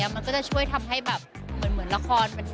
มันก็จะช่วยทำให้แบบเหมือนละคร